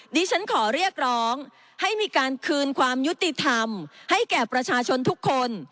ดิฉันขอเรียกร้องให้มีการคืนความยุติธรรมให้แก่ประชาชนทุกคน